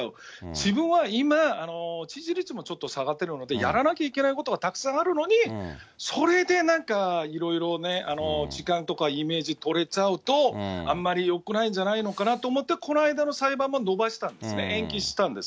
自分は今、支持率もちょっと下がってるので、やらなきゃいけないことはたくさんあるのに、それでなんかいろいろね、時間とかイメージ取れちゃうとあんまりよくないんじゃないのかなと思って、この間の裁判も延ばしたんですね、延期したんです。